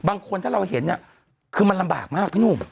บางคนถ้าเราเห็นเนี่ยคือมันลำบากมากพี่หนุ่ม